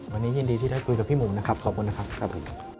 วันนี้ยินดีที่ได้คุยกับพี่หมูนะครับขอบคุณนะครับครับผม